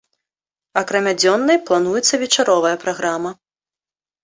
Акрамя дзённай плануецца вечаровая праграма.